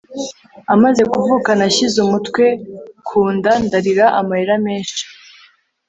amaze kuvuka nashyize umutwe ku nda ndarira amarira menshi